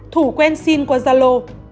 thủ quen xin qua gia lô